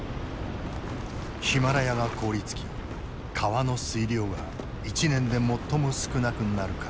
ヒマラヤが凍りつき川の水量が一年で最も少なくなるからだ。